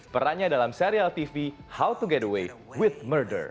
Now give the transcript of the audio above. perannya dalam serial tv how to get away with merder